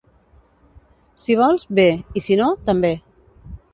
Si vols, bé; i si no, també.